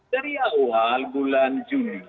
dari awal bulan juni